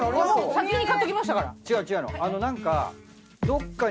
先に買っときましたから。